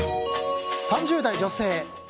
３０代女性。